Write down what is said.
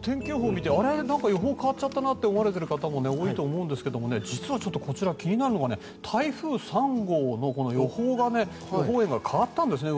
天気予報を見て予報が変わったと思われている方も多いと思いますが実は気になるのが台風３号の予報円が変わったんですね。